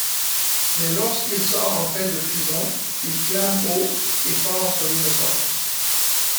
Mais lorsqu'il sort enfin de prison, il clame haut et fort son innocence.